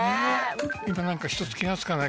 今何か一つ気が付かない？